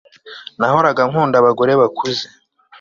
Nahoraga nkunda abagore bakuze